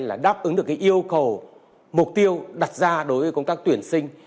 là đáp ứng được cái yêu cầu mục tiêu đặt ra đối với công tác tuyển sinh